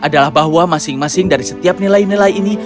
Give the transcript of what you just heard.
adalah bahwa masing masing dari setiap nilai nilai ini